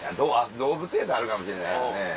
動物園やったらあるかもしれないですね。